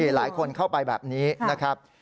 หลายคนเข้าไปแบบนี้นะครับ